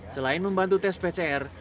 selain membantu tes pcr